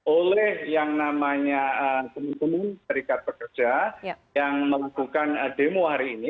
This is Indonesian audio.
oleh yang namanya teman teman serikat pekerja yang melakukan demo hari ini